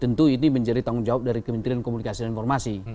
tentu ini menjadi tanggung jawab dari kementerian komunikasi dan informasi